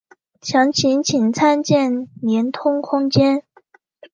详情请参见连通空间。